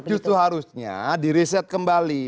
justru harusnya di riset kembali